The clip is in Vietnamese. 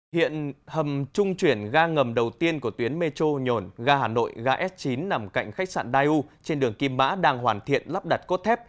hiện hầm trung chuyển ga ngầm đầu tiên của tuyến metro nhổn ga hà nội ga s chín nằm cạnh khách sạn daiu trên đường kim mã đang hoàn thiện lắp đặt cốt thép